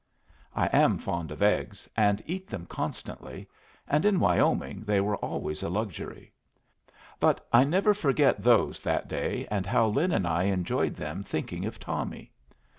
I am fond of eggs, and eat them constantly and in Wyoming they were always a luxury. But I never forget those that day, and how Lin and I enjoyed them thinking of Tommy.